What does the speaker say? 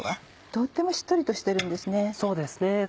とってもしっとりとしてるんですね。